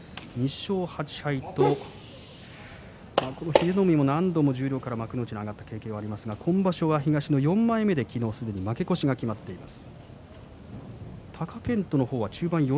２勝８敗と、英乃海も何度も幕内から十両になった経験がありますが今場所は、すでに負け越しが決まっています。